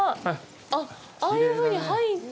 あっ、ああいうふうに入って？